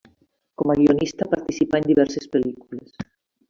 Com a guionista participà en diverses pel·lícules.